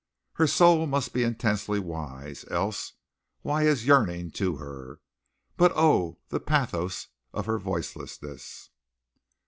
Her soul must be intensely wise else why his yearning to her? But, oh, the pathos of her voicelessness!